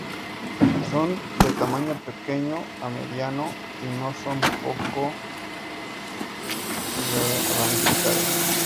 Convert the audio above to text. Son de tamaño pequeño a mediano, y no son o poco ramificadas.